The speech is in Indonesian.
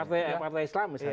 partai partai islam misalnya